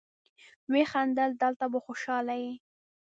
ويې خندل: دلته به خوشاله يې.